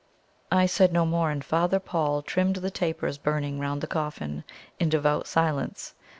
I said no more, and Father Paul trimmed the tapers burning round the coffin in devout silence.